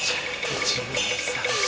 １２３４。